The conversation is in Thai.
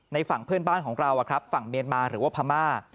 ฝั่งเพื่อนบ้านของเราฝั่งเมียนมาหรือว่าพม่า